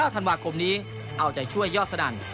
ธันวาคมนี้เอาใจช่วยยอดสนั่น